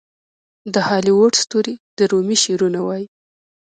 د هالیووډ ستوري د رومي شعرونه وايي.